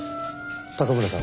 高村さん